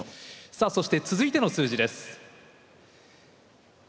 さあそして続いての数字です。